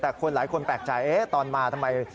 แต่คนหลายคนแปลกใจตอนมาทำไม